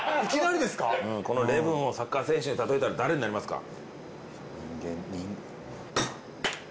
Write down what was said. うんこの礼文をサッカー選手に例えたら誰になりますか？